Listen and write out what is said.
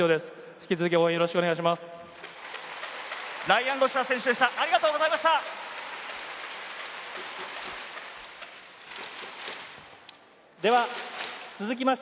引き続き、応援をお願いします。